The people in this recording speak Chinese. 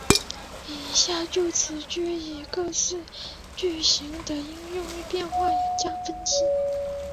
以下就此句之各式句型的应用变化加以分析。